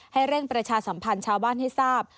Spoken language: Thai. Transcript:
ให้เร่งประชาสัมพันธ์ชาวบ้านให้ทราบ